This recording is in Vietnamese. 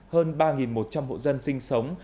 hơn ba một trăm linh hộ dân sinh sống